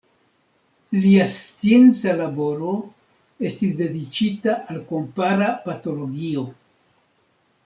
Lia scienca laboro estis dediĉita al kompara patologio.